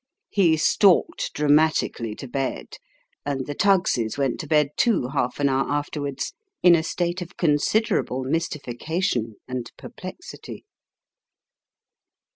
He stalked dramatically to bed, and the Tuggs's went to bed too, half an hour afterwards, in a state of considerable mystification and perplexity.